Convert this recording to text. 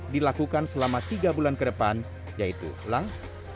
dilakukan selama tiga bulan ke depan yaitu ulang